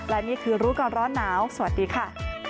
และนี่คือรู้ก่อนร้อนหนาวสวัสดีค่ะ